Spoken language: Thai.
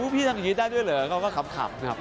พี่ทำอย่างนี้ได้ด้วยเหรอเขาก็ขำครับ